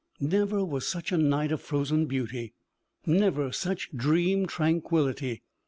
Never was such a night of frozen beauty, never such dream tranquillity.